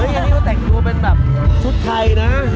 เฮ้ยอันนี้ก็แต่งตัวเป็นแบบชุดไทยนะ